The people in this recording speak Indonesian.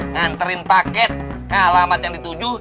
nganterin paket kalamat yang dituduh